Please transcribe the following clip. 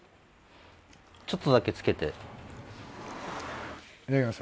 ちょっとだけつけて。